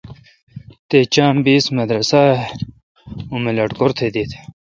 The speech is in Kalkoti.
تے چام بی اس مدرسہ اے طالبان ام تہ دیت